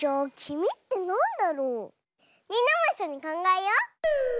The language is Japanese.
みんなもいっしょにかんがえよう！